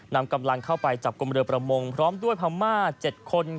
นำกำลังเข้าไปจับกลุ่มเรือประมงพร้อมด้วยพม่า๗คน